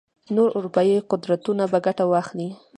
نور اروپايي قدرتونه به ګټه واخلي.